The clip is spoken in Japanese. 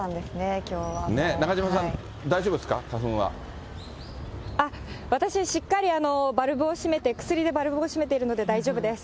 中島さん、大丈夫ですか、花私、しっかりバルブをしめて、薬でバルブをしめているので、大丈夫です。